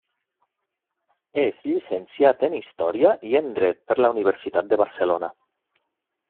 És llicenciat en Història i en Dret per la Universitat de Barcelona.